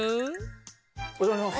お邪魔します。